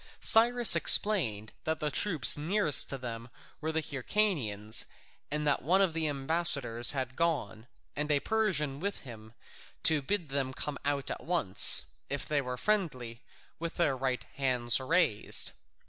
Cyrus explained that the troops nearest to them were the Hyrcanians, and that one of the ambassadors had gone, and a Persian with him, to bid them come out at once, if they were friendly, with their right hands raised.